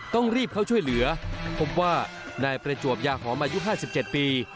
ต้องรีบเข้าช่วยเหลือพบว่านายประจวบยาหอมอายุ๕๗ปี